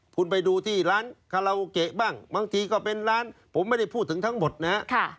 คุณไปดูที่ร้านคาราโอเกะบ้างบางทีก็เป็นร้านผมไม่ได้พูดถึงทั้งหมดนะฮะ